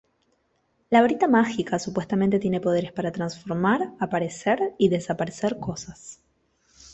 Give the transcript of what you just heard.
La varita mágica supuestamente tiene poderes para transformar, aparecer y desaparecer cosas.